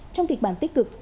trong kịch bản tích cực